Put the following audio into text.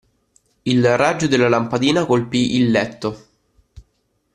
Il raggio della lampadina colpì il letto.